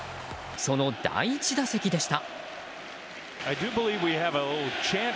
その第１打席でした。